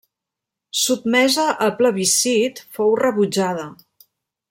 Sotmesa a plebiscit fou rebutjada.